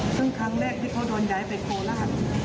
ซึ่งครั้งแรกที่เขาโดนย้ายไปโคราช